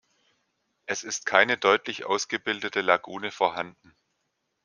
Es ist keine deutlich ausgebildete Lagune vorhanden.